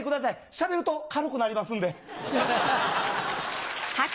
しゃべると軽くなりますんで。